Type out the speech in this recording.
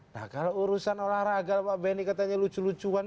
nah kalau urusan olahraga pak benny katanya lucu lucuan